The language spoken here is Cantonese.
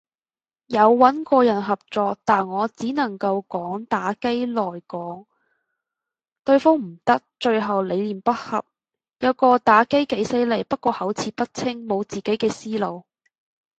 有穩過人合作，但我只能夠講打機來講，對方唔得，最後理念不合，有個打機几犀利，不過口齒不清，無自己嘅思路。